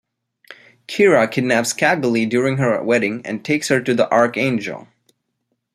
Kira kidnaps Cagalli during her wedding and takes her to the Archangel.